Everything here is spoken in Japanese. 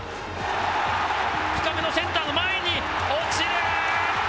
センターの前に落ちる。